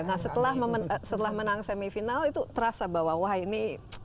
nah setelah menang semifinal itu terasa bahwa wah ini